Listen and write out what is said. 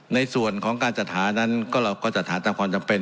ในส่วนของการจัดหานั้นเราก็จัดหาตามความจำเป็น